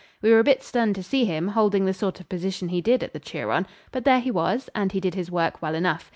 We were a bit stunned to see him, holding the sort of position he did at the Turon. But there he was, and he did his work well enough.